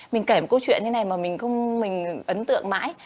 mình kể một câu chuyện như thế này mà mình không mình ấn tượng mãi